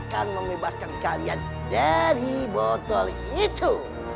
akan membebaskan kalian dari botol itu